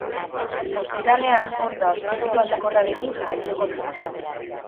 Ostiralean, hortaz, giro aldakorrarekin jarraituko dugu.